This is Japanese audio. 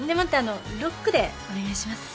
ロックでお願いします。